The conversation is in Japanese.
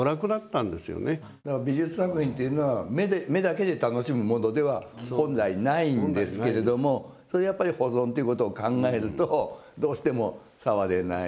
美術作品っていうのは目だけで楽しむものでは本来ないんですけれどもやっぱり保存っていうことを考えるとどうしても触れない。